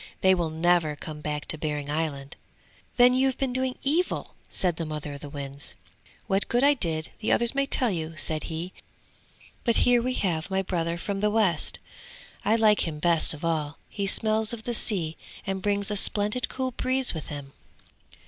They will never come back to Behring Island!' 'Then you've been doing evil!' said the mother of the winds. 'What good I did, the others may tell you,' said he. 'But here we have my brother from the west; I like him best of all; he smells of the sea and brings a splendid cool breeze with him!'